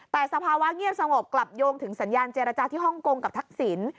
แต่สภาวะเงียบสงบกลับโยงถึงสัญญาณเจรจาที่ฮ่องกงกับทักษิณ